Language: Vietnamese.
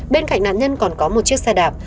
bên cạnh nạn nhân còn có một chiếc xe đạp